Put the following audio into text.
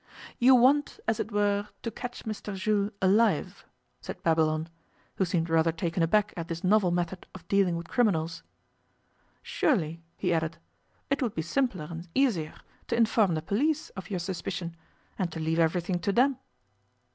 'You want, as it were, to catch Mr Jules alive?' said Babylon, who seemed rather taken aback at this novel method of dealing with criminals. 'Surely,' he added, 'it would be simpler and easier to inform the police of your suspicion, and to leave everything to them.